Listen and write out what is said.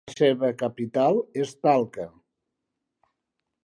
La seva capital és Talca.